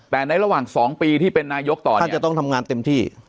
แต่ในระหว่าง๒ปีที่เป็นนายกตอนนี้